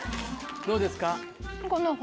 どうですか？